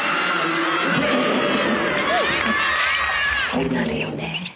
こうなるよね。